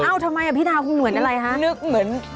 เอ้าทำไมพี่พีท่าคงเหมือนอะไรครับ